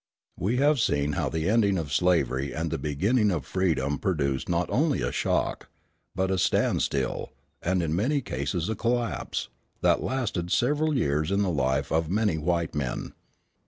We have seen how the ending of slavery and the beginning of freedom produced not only a shock, but a stand still, and in many cases a collapse, that lasted several years in the life of many white men.